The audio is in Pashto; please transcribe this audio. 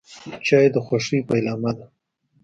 چای د خوښۍ پیلامه ده.